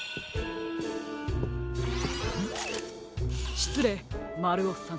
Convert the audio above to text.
しつれいまるおさん。